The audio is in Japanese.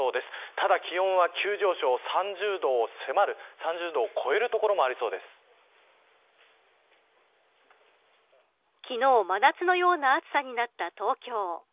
ただ気温は急上昇３０度に迫る３０度を超える所も昨日、真夏のような暑さになった東京。